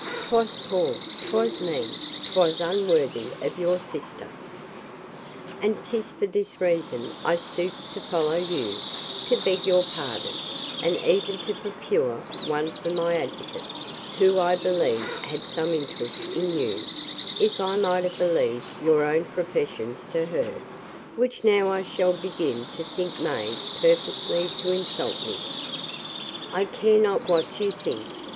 'Twas poor, 'twas mean, 'twas unworthy of your sister: And 'tis for this reason I stoop to follow you, to beg your pardon, and even to procure one for my advocate, who I thought had some interest in you, if I might have believed your own professions to her; which now I shall begin to think made purposely to insult me. I care not what you think!